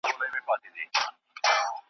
ټلفون ته یې زنګ راغی د مېرمني .